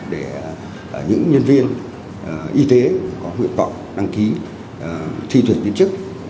để những nhân viên y tế có nguyện vọng đăng ký thi tuyển viên chức